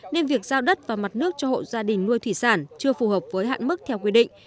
nên việc giao đất và mặt nước cho hộ gia đình nuôi thủy sản chưa phù hợp với hạn mức theo quy định